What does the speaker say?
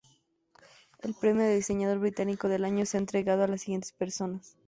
El premio de diseñador británico del año se ha entregado a las siguientes personas.